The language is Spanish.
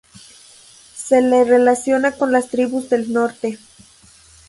Se le relaciona con las tribus del norte.